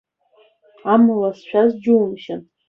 Амала, сшәаз џьумшьан.